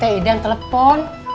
tadi t i d yang telepon